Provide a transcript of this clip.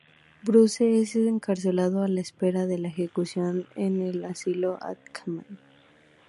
Bruce es encarcelado a la espera de la ejecución en el Asilo Arkham.